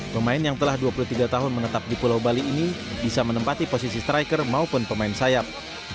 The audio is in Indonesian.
pemain yang telah dua puluh tiga tahun menetap di pulau bali ini bisa menempati posisi striker maupun pemain sayap